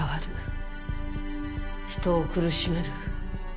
人を苦しめる。